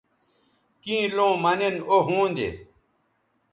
کیں لوں مہ نن او ھوندے